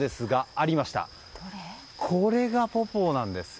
ありました、これがポポーです。